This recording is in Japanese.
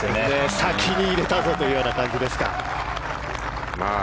先に入れたぞというような感じですか。